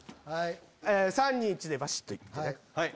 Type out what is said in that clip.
３・２・１でバシっといってね。